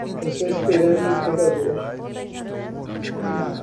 Estou esperando o entregador.